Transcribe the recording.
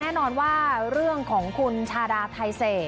แน่นอนว่าเรื่องของคุณชาดาไทเศษ